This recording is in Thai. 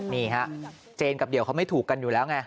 นี่ฮะเจนกับเดี่ยวเขาไม่ถูกกันอยู่แล้วไง